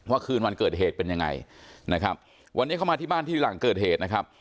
คืนวันเกิดเหตุเป็นยังไงนะครับวันนี้เข้ามาที่บ้านที่หลังเกิดเหตุนะครับ